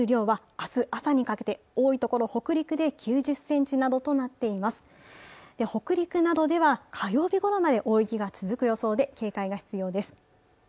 北陸などでは火曜日ごろまで大雪が続く予想で警戒が必要です。